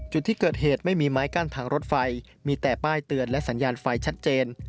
จุดที่เกิดเหตุไม่มีไม้กั้นทางรถไฟมีแต่ป้ายเตือนและสัญญาณไฟชัดเจน